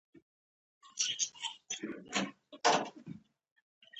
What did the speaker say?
اوبه د ناورین پر وخت ژوند ژغوري